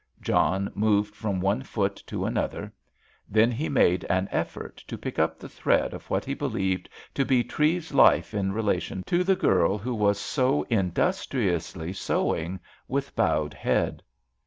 John moved from one foot to another; then he made an effort to pick up the thread of what he believed to be Treves's life in relation to the girl who was so industriously sewing, with bowed head.